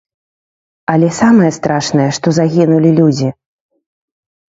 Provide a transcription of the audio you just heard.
Але самае страшнае, што загінулі людзі.